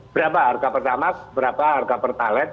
berapa harga pertamak berapa harga pertalit